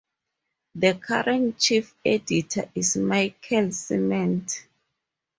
The current chief editor is Michel Ciment.